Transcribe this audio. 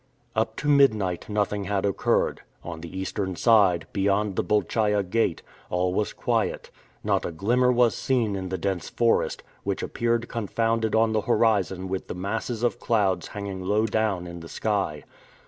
Up to midnight nothing had occurred. On the Eastern side, beyond the Bolchaia Gate, all was quiet. Not a glimmer was seen in the dense forest, which appeared confounded on the horizon with the masses of clouds hanging low down in the sky.